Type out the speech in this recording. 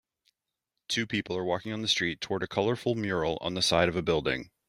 Two people are walking on the street toward a colorful mural on the side of a building.